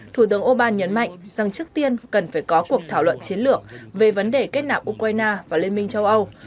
thủ tướng orbán nhấn mạnh rằng trước tiên cần phải có cuộc thảo luận chiến lược về vấn đề kết nạp ukraine và liên minh châu âu